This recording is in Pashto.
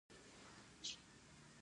د دوی مخالفت موقعتي او د ګټې پر بنسټ دی.